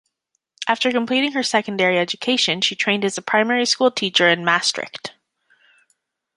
After completing her secondary education she trained as a primary-school teacher in Maastricht.